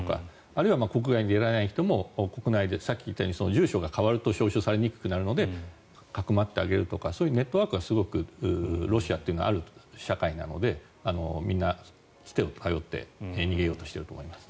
あるいは国外に出られない人もさっき言ったように住所が変わると招集されにくくなるのでかくまってあげるとかそういうネットワークというのはロシアはすごくある社会なのでみんな、つてを頼って逃げようとしていると思います。